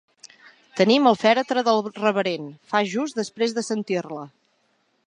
Tenim el fèretre del reverend, fa just després de sentir-la.